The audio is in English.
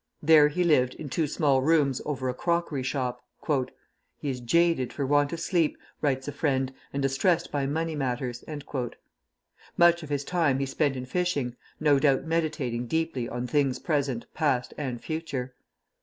There he lived in two small rooms over a crockery shop. "He is jaded for want of sleep," writes a friend, "and distressed by money matters." Much of his time he spent in fishing, no doubt meditating deeply on things present, past, and future.